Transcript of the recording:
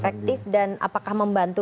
efektif dan apakah membantu